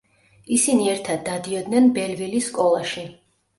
ისინი ერთად დადიოდნენ ბელვილის სკოლაში.